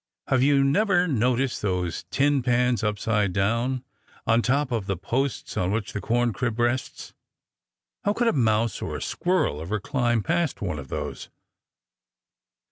"Have you never noticed those tin pans, upside down, on top of the posts on which the corncrib rests? How could a mouse or a squirrel ever climb past one of those?"